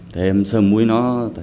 thấy em sờ mũi nó